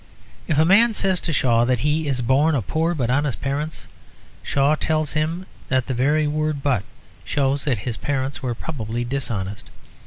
If a man says to Shaw that he is born of poor but honest parents, Shaw tells him that the very word "but" shows that his parents were probably dishonest.